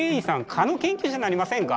蚊の研究者になりませんか？